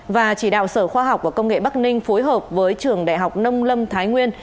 và chỉ đạo sở khoa học và công nghệ bắc ninh phối hợp với trường đại học nông lâm thái nguyên